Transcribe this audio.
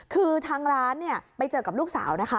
คือทางร้านไปเจอกับลูกสาว